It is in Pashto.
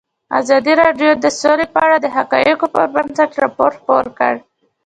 ازادي راډیو د سوله په اړه د حقایقو پر بنسټ راپور خپور کړی.